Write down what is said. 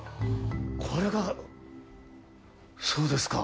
これがそうですか。